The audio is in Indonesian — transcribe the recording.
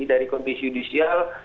dari komisi judisial